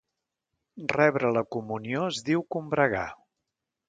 Rebre la comunió es diu combregar.